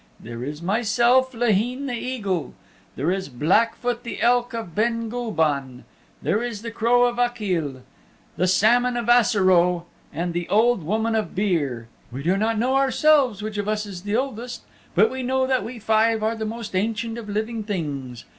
There is myself, Laheen the Eagle; there is Blackfoot the Elk of Ben Gulban, there is the Crow of Achill, the Salmon of Assaroe and the Old Woman of Beare. We do not know ourselves which of us is the oldest, but we know that we five are the most ancient of living things.